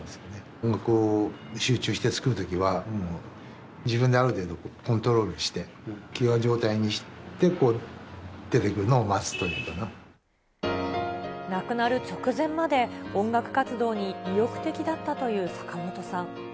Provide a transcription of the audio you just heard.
音楽を集中して作るときは、自分である程度コントロールして、飢餓状態にして、亡くなる直前まで、音楽活動に意欲的だったという坂本さん。